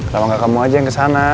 kalau nggak kamu aja yang kesana